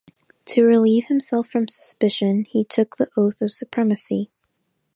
To relieve himself from suspicion he took the Oath of Supremacy.